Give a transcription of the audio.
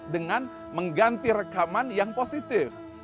dengan mengganti rekaman yang positif